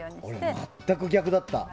俺、全く逆だった。